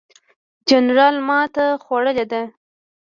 جنرال ماته خوړلې ده.